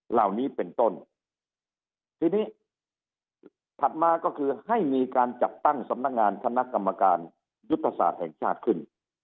เหล่านี้เป็นต้นทีนี้ถัดมาก็คือให้มีการจัดตั้งสำนักงานคณะกรรมการยุทธศาสตร์แห่งชาติขึ้น